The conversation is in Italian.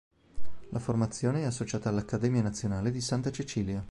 La formazione è associata all'Accademia Nazionale di Santa Cecilia.